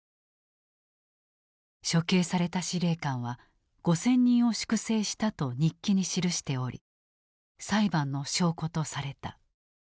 処刑された司令官は「５，０００人を粛正した」と日記に記しており裁判の証拠とされた。